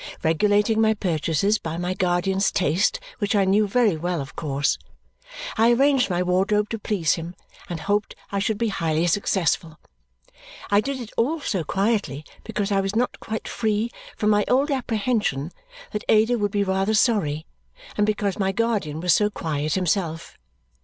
Regulating my purchases by my guardian's taste, which I knew very well of course, I arranged my wardrobe to please him and hoped I should be highly successful. I did it all so quietly because I was not quite free from my old apprehension that Ada would be rather sorry and because my guardian was so quiet himself.